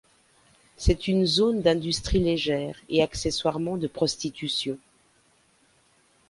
C'est une zone d'industrie légère et accessoirement de prostitution.